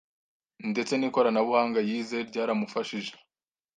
ndetse n’ikoranabuhanga yize ryaramufashije